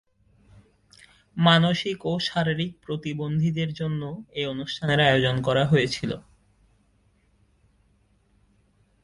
মানসিক ও শারীরিক প্রতিবন্ধীদের জন্য এই অনুষ্ঠানের আয়োজন করা হয়েছিল।